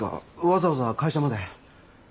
わざわざ会社まで。